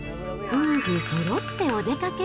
夫婦そろってお出かけ。